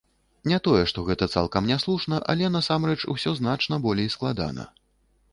Не тое што гэта цалкам няслушна, але насамрэч усё значна болей складана.